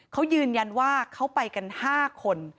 เขายืนยันว่าเขาไปกัน๕คน